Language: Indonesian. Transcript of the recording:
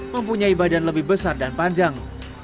mempunyai badan lebih besar dan panjang